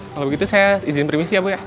kalau begitu saya izin perimisi ya bu ya